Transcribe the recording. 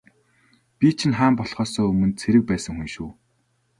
Би чинь хаан болохоосоо өмнө цэрэг байсан хүн шүү.